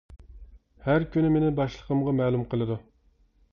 ھەر كۈنى مېنى باشلىقىمغا مەلۇم قىلىدۇ.